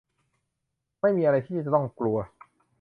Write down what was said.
ไม่มีอะไรที่จะต้องกลัว